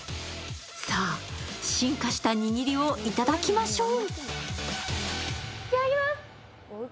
さあ、進化した握りをいただきましょう。